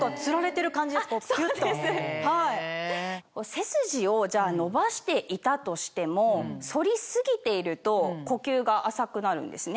背筋を伸ばしていたとしても反り過ぎていると呼吸が浅くなるんですね。